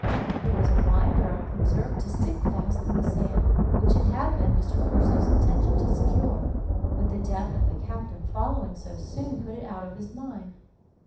There was a wine barrel observed to stick fast in the sand, which it had been Mr. Crusoe's intention to secure; but the death of the captain following so soon, put it out of his mind.